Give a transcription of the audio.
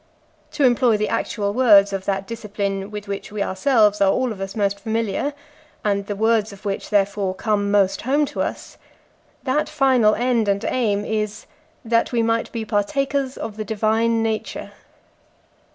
To employ the actual words of that discipline with which we ourselves are all of us most familiar, and the words of which, therefore, come most home to us, that final end and aim is "that we might be partakers of the divine nature."